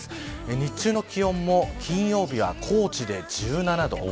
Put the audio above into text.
日中の気温も金曜日は高知で１７度。